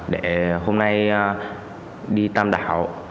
để hôm nay đi tam đảo